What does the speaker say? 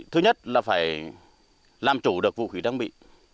thứ nhất là phải làm chủ được vũ khí trang bị